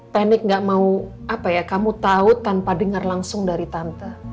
panik gak mau apa ya kamu tahu tanpa dengar langsung dari tante